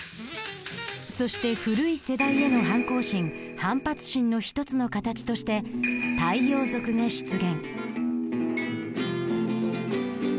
そして古い世代への反抗心反発心の一つの形として太陽族が出現。